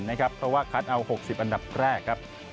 เพราะว่าคัดเอา๖๐อันดับแรกครับ